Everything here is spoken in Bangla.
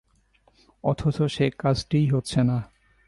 অথচ সে কাজটিই হচ্ছে না।